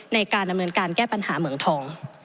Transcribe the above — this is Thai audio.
ในการดำเนินการแก้ปัญหาเหมืองทอง